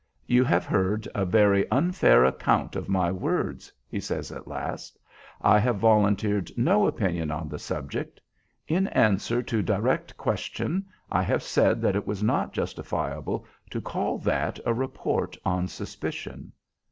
"You have heard a very unfair account of my words," he says at last. "I have volunteered no opinions on the subject. In answer to direct question I have said that it was not justifiable to call that a report on suspicion."